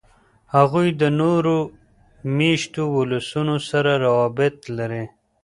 هغوی د نورو میشتو ولسونو سره روابط لري.